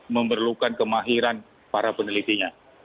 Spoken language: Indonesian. memerlukan kemahiran para penelitinya